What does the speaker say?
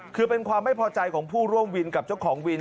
คือเป็นความไม่พอใจของผู้ร่วมวินกับเจ้าของวิน